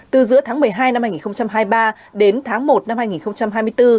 từ giữa tháng một mươi hai năm hai nghìn hai mươi ba đến tháng một năm hai nghìn hai mươi bốn